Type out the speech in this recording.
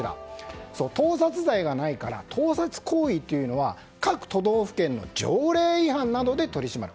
盗撮罪がないから盗撮行為というのは各都道府県の条例違反などで取り締まる。